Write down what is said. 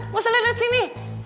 masa liat liat sini